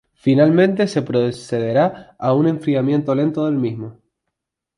Finalmente se procederá a un enfriamiento lento del mismo.